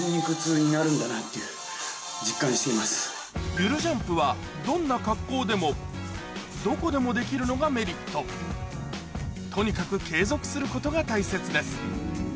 ゆるジャンプはどんな格好でもどこでもできるのがメリットとにかく継続することが大切です